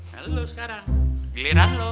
lalu sekarang giliran lo